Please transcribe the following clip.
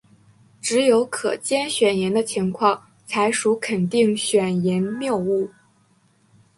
只有可兼选言的情况才属肯定选言谬误。